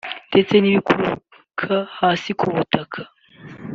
ndetse n’ibikururuka hasi ku butaka